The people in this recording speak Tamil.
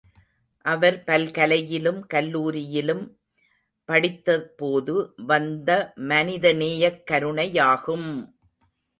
அவர் பல்கலையிலும் கல்லூரியிலும் படித்தபோது வந்த மனித நேயக் கருணையாகும்!